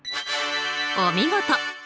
お見事！